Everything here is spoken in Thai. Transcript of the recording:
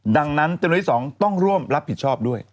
ดังนั้นจำนวนที่๒ต้องร่วมรับผิดชอบด้วย